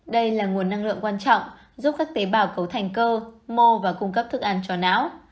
đây là nguồn năng lượng quan trọng giúp các tế bào cấu thành cơ mô và cung cấp thức ăn cho não